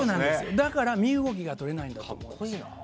だから身動きが取れないんだと思います。